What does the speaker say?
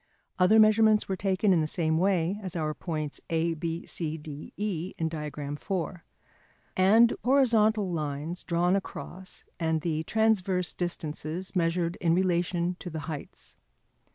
Other measurements were taken in the same way as our points A B C D E in the diagram on page 87 [Transcribers Note: Diagram IV], and horizontal lines drawn across, and the transverse distances measured in relation to the heights.